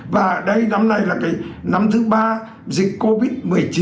và đây năm nay là cái năm thứ ba dịch covid một mươi chín